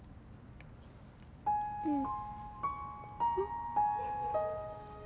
うん。